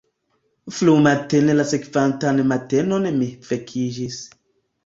Frumatene la sekvantan matenon mi vekiĝis.